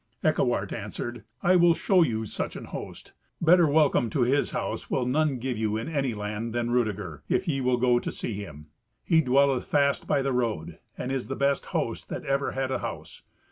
Eckewart answered, "I will show you such an host. Better welcome to his house will none give you in any land than Rudeger, if ye will go to see him. He dwelleth fast by the road, and is the best host that ever had a house.